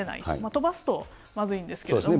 飛ばすとまずいんですけれども。